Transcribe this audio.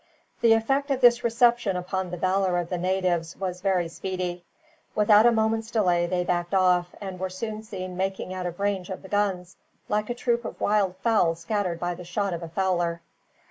The effect of this reception upon the valor of the natives was very speedy. Without a moment's delay they backed off, and were soon seen making out of range of the guns, like a troop of wild fowl scattered by the shot of a fowler.